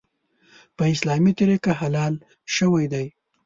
په اسلامي طریقه حلال شوی دی .